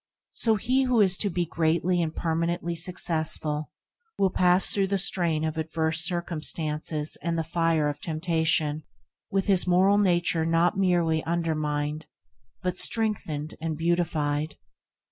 So he who is to be greatly and permanently successful will pass through the strain of adverse circumstances and the fire of temptation with his moral nature not merely not undermined, but strengthened and beautified.